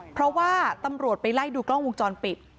เพราะว่าตำรวจไปไล่ดูกล้องวงจรปิด